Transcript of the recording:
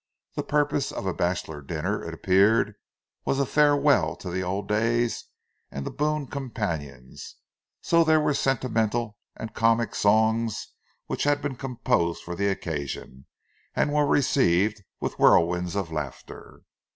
The purpose of a "bachelor dinner," it appeared, was a farewell to the old days and the boon companions; so there were sentimental and comic songs which had been composed for the occasion, and were received with whirlwinds of laughter.